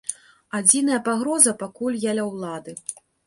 Адзіная пагроза, пакуль я ля ўлады.